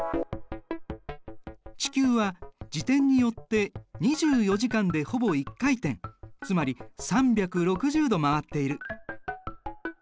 地球は自転によって２４時間でほぼ１回転つまり３６０度回っている。